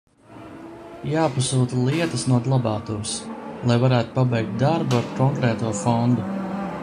Jāpasūta lietas no glabātuves, lai varētu pabeigt darbu ar konkrēto fondu.